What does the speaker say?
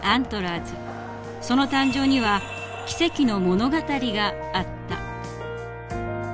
その誕生には奇跡の物語があった。